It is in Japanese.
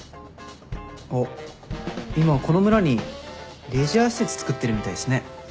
あっ今この村にレジャー施設造ってるみたいっすね。